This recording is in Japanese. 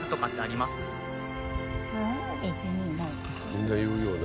みんな言うよね。